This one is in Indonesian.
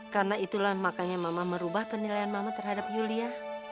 karena itulah makanya mama merubah penilaian mama terhadap yulia